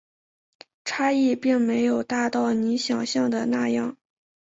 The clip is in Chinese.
差异并没有大到你想像的那样